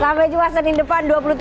sampai jumpa senin depan dua puluh tiga